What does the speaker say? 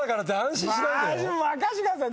⁉任せてください。